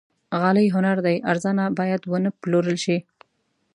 غالۍ هنر دی، ارزانه نه باید وپلورل شي.